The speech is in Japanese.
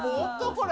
これ。